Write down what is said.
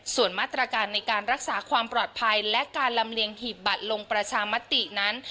ส่วนมาตรการในการรักษาความปลอดภัยและการลำเลียงหีบบัตรลงประชามตินั้น